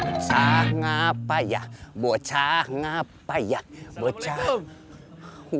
bocah ngapaiah bocah ngapaiah bocah ngapaiah